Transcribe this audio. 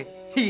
nggak modal ya